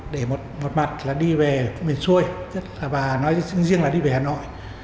để một mặt là đi về miền xuôi và nói riêng là đi về hà nội